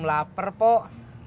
belum lapar pok